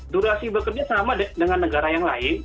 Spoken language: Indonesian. durasi bekerja sama dengan negara yang lain